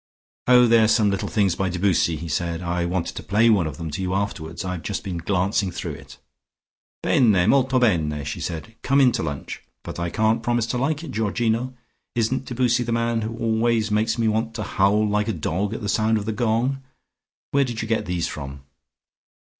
"Oh, they are some little things by Debussy," he said. "I want to play one of them to you afterwards. I've just been glancing through it." "Bene, molto bene!" said she. "Come in to lunch. But I can't promise to like it, Georgino. Isn't Debussy the man who always makes me want to howl like a dog at the sound of the gong? Where did you get these from?"